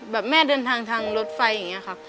แบบแม่เดินทางทางรถไฟอย่างนี้ครับ